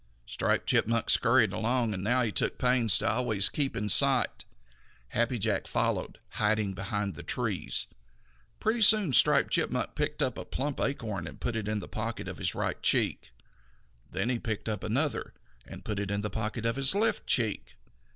Striped Chipmunk scurried along, and now he took pains to always keep in sight. Happy Jack followed, hiding behind the trees. Pretty soon Striped Chipmunk picked up a plump acorn and put it in the pocket of his right cheek. Then he picked up another and put that in the pocket in his left cheek.